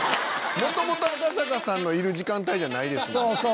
元々赤坂さんのいる時間帯じゃないですもん。